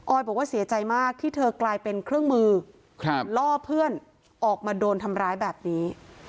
บอกว่าเสียใจมากที่เธอกลายเป็นเครื่องมือล่อเพื่อนออกมาโดนทำร้ายแบบนี้